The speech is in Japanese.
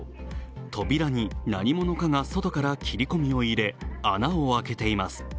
扉に何者かが外から切り込みを入れ穴を開けています。